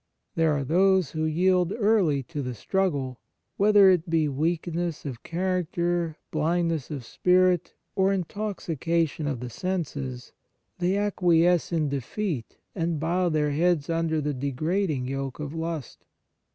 There are those who yield early in the struggle : whether it be weakness of character, blindness of spirit, or intoxication of the senses, they ac quiesce in defeat and bow their heads under the degrading yoke of lust.